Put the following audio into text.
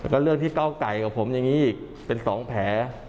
แล้วก็เรื่องที่เก้าไก่กับผมอย่างนี้เป็นสองแผล